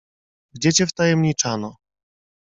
"Gdzie cię wtajemniczano?"